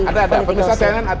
ada ada pemirsa cnn ada ada